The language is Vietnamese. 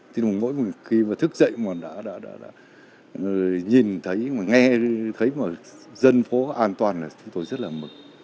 thì mỗi khi mà thức dậy mà đã nhìn thấy nghe thấy mà dân phố an toàn là chúng tôi rất là mực